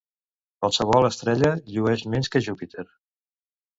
Qualsevol estrella llueix menys que Júpiter.